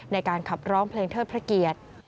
ในการขับร้องเพลงเทิดพระเกียรติ